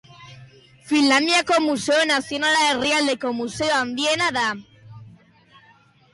Finlandiako Museo Nazionala herrialdeko museo handiena da.